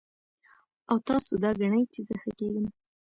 او تاسو دا ګڼئ چې زۀ ښۀ کېږم